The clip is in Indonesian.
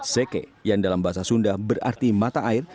seke yang dalam bahasa sunda berarti mata air